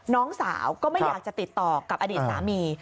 น้องสาวก็ไม่อยากจะติดต่อกับอดีตสามี